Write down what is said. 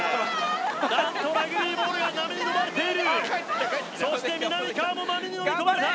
なんとラグビーボールが波にのまれているそしてみなみかわも波にのみこまれた！